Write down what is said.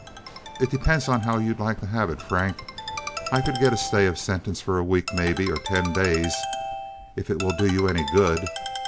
"It depends on how you'd like to have it, Frank. I could get a stay of sentence for a week maybe, or ten days, if it will do you any good.